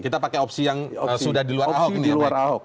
kita pakai opsi yang sudah di luar ahok